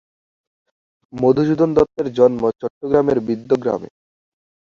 মধুসূদন দত্তের জন্ম চট্টগ্রামের বিদগ্রামে।